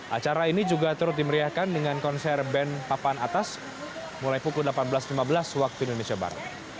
acara ini juga turut dimeriahkan dengan konser band papan atas mulai pukul delapan belas lima belas waktu indonesia barat